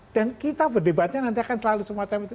dan kita berdebatnya nanti akan selalu semacam itu